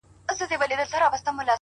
ورور له کلي لرې کيږي ډېر,